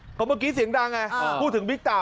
เพราะเมื่อกี้เสียงดังไงพูดถึงบิ๊กเต่า